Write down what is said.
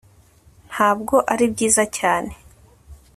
ntabwo ari byiza cyane